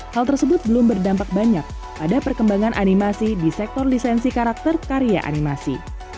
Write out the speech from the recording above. hal tersebut belum berdampak banyak pada perkembangan animasi di sektor lisensi karakter karya animasi